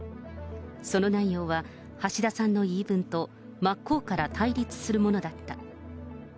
その内容は、橋田さんの言い分と、真っ向から対立するものだった。